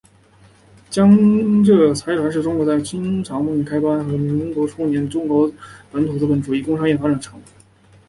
江浙财团是中国在清朝末年开阜和民国初年中国本土资本主义工商业发展的产物。